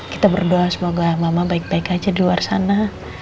kita berdoa semoga mama baik baik aja di luar sana